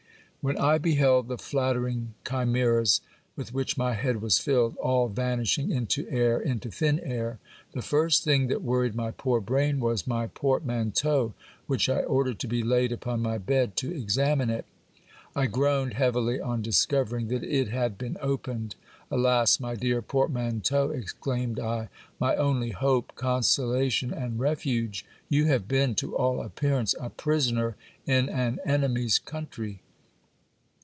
When I beheld the nattering chimeras with which my head was filled, all vanishing into air, into thin air, the first thing that worried my poor brain was my portmanteau, which I ordered to be laid upon my bed to examine it. I groaned heavily on discovering that it had been opened. Alas ! my dear port manteau, exclaimed I, my only hope, consolation, and refuge ! You have been, to all appearance, a prisoner in an enemy's country.